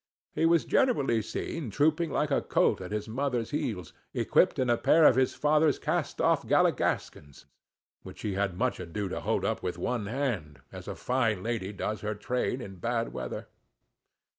He was generally seen trooping like a colt at his mother's heels, equipped in a pair of his father's cast off galligaskins, which he had much ado to hold up with one hand, as a fine lady does her train in bad weather.